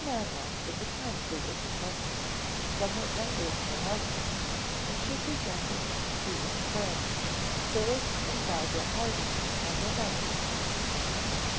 Manwell was a kindly looking woman, somewhat younger than her husband, and she presented two young friends, Phyllis and Barbara Harding and their mother.